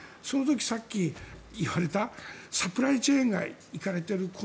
その時、さっき言われたサプライチェーンがいかれている